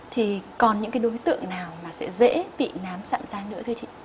thì còn những đối tượng nào mà sẽ dễ bị nám sạm da nữa thế chị